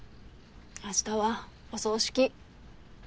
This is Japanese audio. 明日はお葬式。